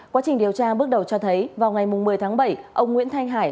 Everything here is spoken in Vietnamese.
quá trình điều tra bước đầu cho thấy vào ngày một mươi tháng bảy ông nguyễn thanh hải